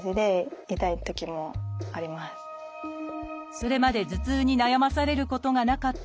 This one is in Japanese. それまで頭痛に悩まされることがなかった織田さん。